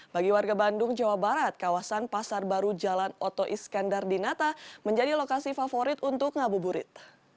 bagi warga bandung jawa barat kawasan pasar baru jalan oto iskandar di nata menjadi lokasi favorit untuk ngabuburit